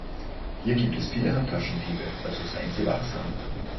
Hier gibt es viele Handtaschendiebe, also seien Sie wachsam.